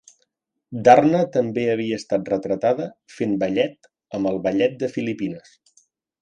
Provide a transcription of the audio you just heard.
Darna també havia estat retratada fent ballet amb el Ballet de Filipines.